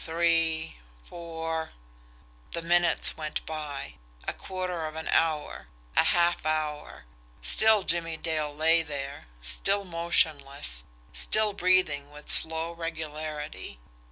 Three. Four." The minutes went by a quarter of an hour a half hour. Still Jimmie Dale lay there still motionless still breathing with slow regularity.